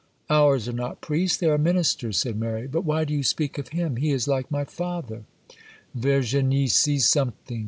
'Ours are not priests,—they are ministers,' said Mary. 'But why do you speak of him?—he is like my father.' 'Virginie sees something!